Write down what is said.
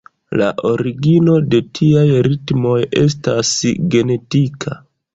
La origino de tiaj ritmoj estas genetika.